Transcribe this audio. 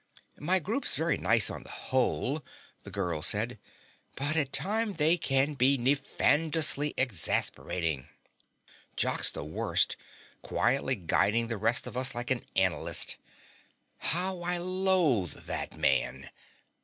"My group's very nice on the whole," the girl said, "but at times they can be nefandously exasperating. Jock's the worst, quietly guiding the rest of us like an analyst. How I loathe that man!